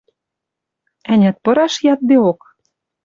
Ӓнят, пыраш яддеок?